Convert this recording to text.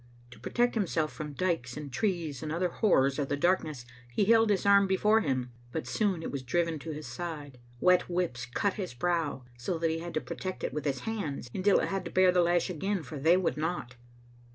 To protect himself from dikes and trees and other horrors of the darkness he held his arm before him, but soon it was driven to his side. Wet whips cut his brow so that he had to protect it with his hands, until it had to bear the lash again, for they would not.